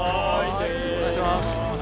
お願いします。